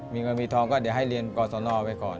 มีเงินมีทองก็เดี๋ยวให้เรียนกรสนไปก่อน